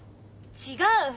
違う！